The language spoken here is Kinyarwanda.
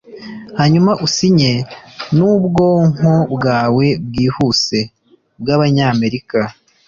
hanyuma usinye n'ubwonko bwawe bwihuse bwabanyamerika